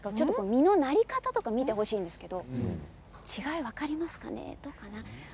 実のなり方とか見てほしいんですけれども、違いが分かりますかね。